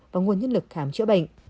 và nguồn nhân lực khám chữa bệnh